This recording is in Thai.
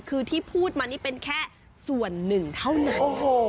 คือที่พูดมานี่เป็นแค่ส่วนหนึ่งเท่านั้น